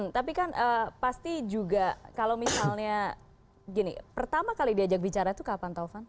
tapi kan pasti juga kalau misalnya gini pertama kali diajak bicara itu kapan taufan